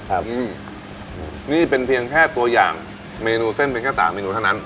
ครับอืมนี่เป็นเพียงแค่ตัวอย่างเมนูเส้นเป็นแค่สามเมนูเท่านั้น